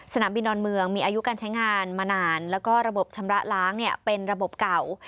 สนามบินดอนเมืองมีอายุการใช้งานมานานแล้วก็ระบบชำระล้างเป็นระบบเก่า